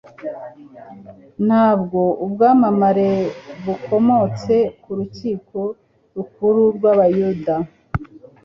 Ntabwo ubwamamare bukomotse ku Rukiko Rukuru rw’Abayuda